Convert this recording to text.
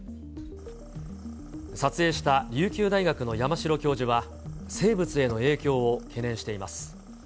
撮影した琉球大学の山城教授は、生物への影響を懸念しています。